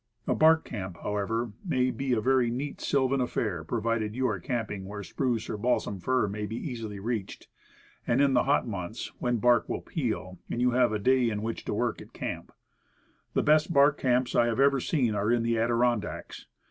A bark camp, however, may be a very neat sylvan affair, provided yod are camping where spruce or balsam fir may be easily reached, and in the hot months when bark will "peel"; and you have a day in which to work at a camp. The best bark camps I have ever seen are in the Adirondacks.